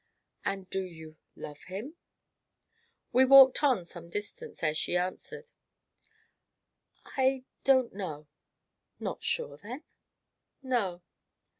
"And do you love him?" We walked on some distance ere she answered: "I don't know." "Not sure, then?" "No."